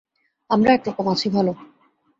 আমরা এক রকম আছি ভাল।